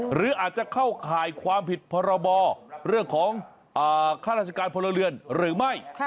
หรืออาจจะเข้าข่ายความผิดพรบเรื่องของค่าราชการพลเรือนหรือไม่